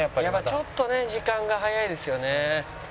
ちょっとね時間が早いですよね。